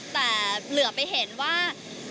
แต่เหลือไปเห็นว่า